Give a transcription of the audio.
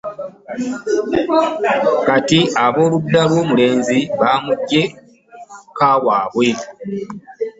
Kati ab’oludda lw’omulenzi bamuggya ka waabwe.